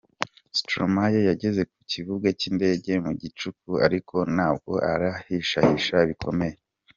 Stromae yageze ku kibuga cy’indege mu gicuku ariko nabwo arihishahisha bikomeye.